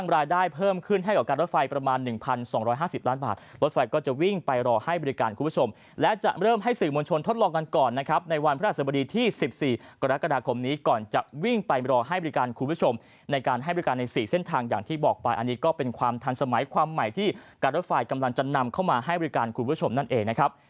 เราจะเริ่มให้สื่อมวลชนทดลองกันก่อนนะครับในวันพระราชบดีที่สิบสี่กรกฎาคมนี้ก่อนจะวิ่งไปรอให้บริการคุณผู้ชมในการให้บริการในสี่เส้นทางอย่างที่บอกไปอันนี้ก็เป็นความทันสมัยความใหม่ที่การรถไฟกำลังจะนำเข้ามาให้บริการคุณผู้ชมนั่นเองนะครับ